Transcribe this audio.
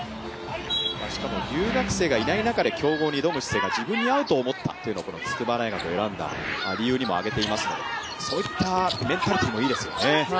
しかも留学生がいない中で強豪の中に入るのが自分に合うと思ったというのが筑波大学を選んだ理由にも挙げていますのでそういったメンタリティーもいいですよね。